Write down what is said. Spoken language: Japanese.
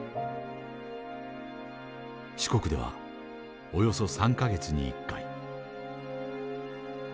四国ではおよそ３か月に１回。